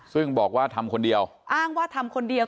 ซึ่งบอกว่าทำคนเดียวอ้างว่าทำคนเดียว